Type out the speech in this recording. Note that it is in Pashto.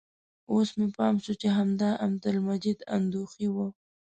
اوس مې پام شو چې همدا عبدالمجید اندخویي و.